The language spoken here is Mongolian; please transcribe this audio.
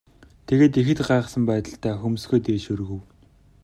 Тэгээд ихэд гайхсан байдалтай хөмсгөө дээш өргөв.